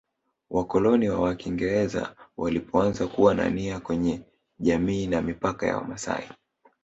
Wakoloni wa Wakiingereza walipoanza kuwa na nia kwenye jamii na mipaka ya wamasai